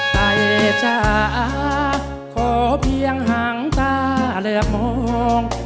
ใครจะโขเพียงห่างตาเลือบมอง